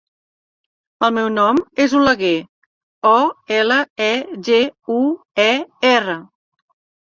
El meu nom és Oleguer: o, ela, e, ge, u, e, erra.